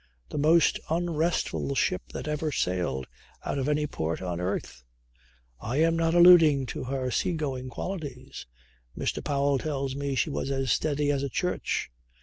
The most unrestful ship that ever sailed out of any port on earth. I am not alluding to her sea going qualities. Mr. Powell tells me she was as steady as a church.